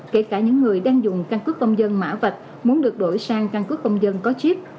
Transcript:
kể cả những người đang dùng căn cứ công dân mã vạch muốn được đổi sang căn cứ công dân có chip